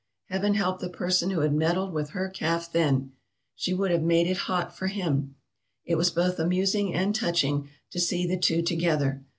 Heaven help the person who had meddled with her calf then! She would have made it hot for him. It was both amusing and MISCELLANEOUS 501 touching to see the two together.